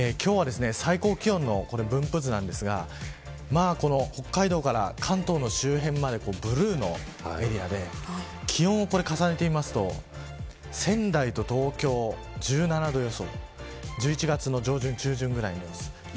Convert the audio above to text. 最高気温の分布図ですが北海道から関東の周辺までブルーのエリアで気温を重ねてみると仙台と東京、１７度予想１１月の上旬、中旬ぐらいです。